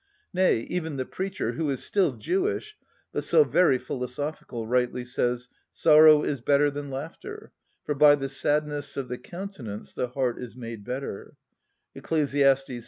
Nay, even the Preacher, who is still Jewish, but so very philosophical, rightly says: "Sorrow is better than laughter: for by the sadness of the countenance the heart is made better" (Eccles.